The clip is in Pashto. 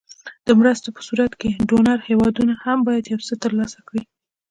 د مرستو په صورت کې ډونر هېوادونه هم باید یو څه تر لاسه کړي.